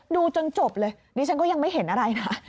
ดูจนจบเลยดิฉันก็ยังไม่เห็นอะไรนะ